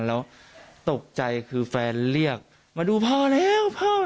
แล้วตกใจคือแฟนเรียกมาดูพ่อแล้วพ่อ